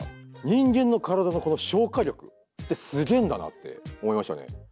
人間の体の消化力ってすげえんだなって思いましたね。